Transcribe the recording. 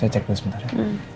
saya cek dulu sebentar ya